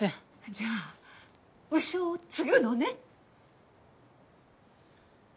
じゃあ鵜匠を継ぐのね？